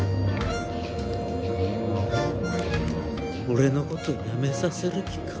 俺の事辞めさせる気か？